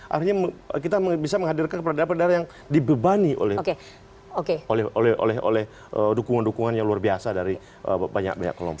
artinya kita bisa menghadirkan kepala daerah yang dibebani oleh dukungan dukungan yang luar biasa dari banyak banyak kelompok